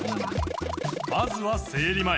まずは生理前。